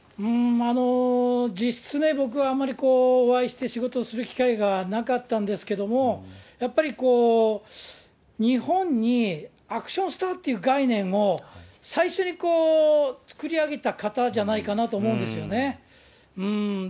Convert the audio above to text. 実質、僕はあんまりお会いして仕事する機会がなかったんですけど、やっぱりこう、日本にアクションスターっていう概念を最初に作り上げた方じゃないかなと思うんですよね。